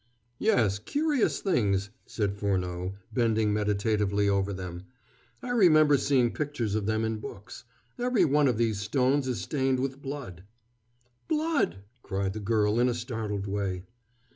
"Yes, curious things," said Furneaux, bending meditatively over them. "I remember seeing pictures of them in books. Every one of these stones is stained with blood." "Blood!" cried the girl in a startled way.